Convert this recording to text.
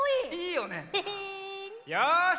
よし！